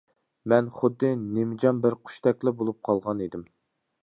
مەن خۇددى نىمجان بىر قۇشتەكلا بولۇپ قالغان ئىدىم.